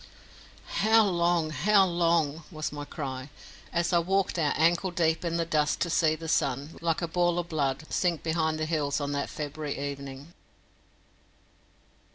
"How long, how long!" was my cry, as I walked out ankle deep in the dust to see the sun, like a ball of blood, sink behind the hills on that February evening.